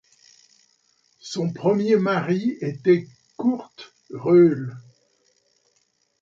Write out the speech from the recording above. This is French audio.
Son premier mari était Kurt Roehl.